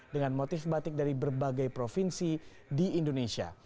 dengan motif batik dari berbagai provinsi di indonesia